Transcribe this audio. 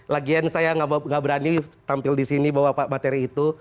lagian saya gak berani tampil disini bawa materi itu